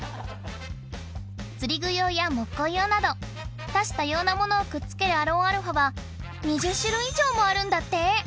釣り具用や木工用など多種多様なものをくっつけるアロンアルフアはもあるんだって